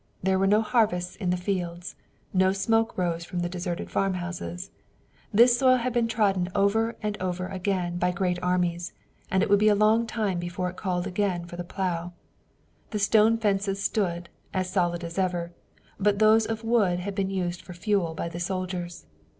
There were no harvests in the fields. No smoke rose from the deserted farm houses. This soil had been trodden over and over again by great armies, and it would be a long time before it called again for the plough. The stone fences stood, as solid as ever, but those of wood had been used for fuel by the soldiers.